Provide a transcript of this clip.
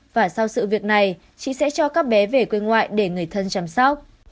và sau sự việc này chị sẽ cho các bé về quê ngoại để người thân chăm sóc